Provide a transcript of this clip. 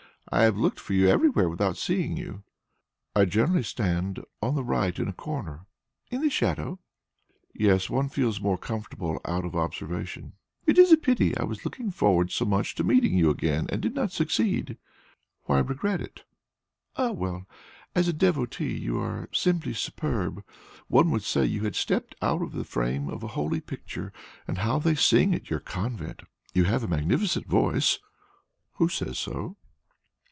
"I have looked for you everywhere without seeing you." "I generally stand on the right in a corner." "In the shadow?" "Yes; one feels more comfortable out of observation." "It is a pity; I was looking forward so much to meeting you again, and did not succeed." "Why regret it?" "Ah well! As a devotee you are simply superb; one would say you had stepped out of the frame of a holy picture. And how they sing at your convent! You have a magnificent voice." "Who says so?"